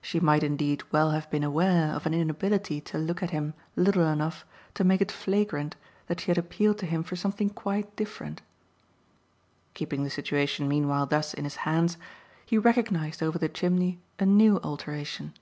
She might indeed well have been aware of an inability to look at him little enough to make it flagrant that she had appealed to him for something quite different. Keeping the situation meanwhile thus in his hands he recognised over the chimney a new alteration.